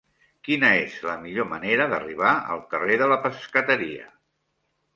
Quina és la millor manera d'arribar al carrer de la Pescateria?